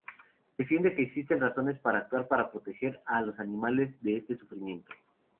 Defiende que existen razones para actuar para proteger a los animales de este sufrimiento.